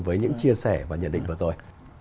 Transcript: với những chia sẻ và nhận định vừa rồi